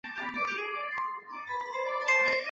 金星鞘群海葵为鞘群海葵科鞘群海葵属的动物。